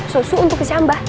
susu untuk kecambah